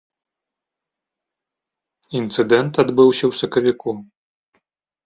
Інцыдэнт адбыўся ў сакавіку.